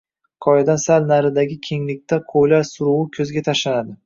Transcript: Qoyadan sal naridagi kenglikda qoʻylar suruvi koʻzga tashlanadi